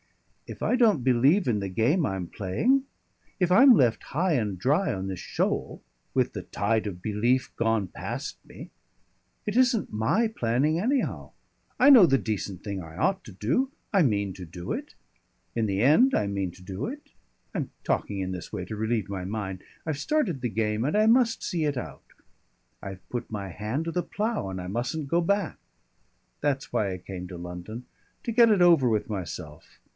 "If I don't believe in the game I'm playing, if I'm left high and dry on this shoal, with the tide of belief gone past me, it isn't my planning, anyhow. I know the decent thing I ought to do. I mean to do it; in the end I mean to do it; I'm talking in this way to relieve my mind. I've started the game and I must see it out; I've put my hand to the plough and I mustn't go back. That's why I came to London to get it over with myself.